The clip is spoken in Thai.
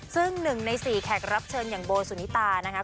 ซึ่ง๑ใน๔แขกรับเชิญอย่างโบสุนิตานะคะ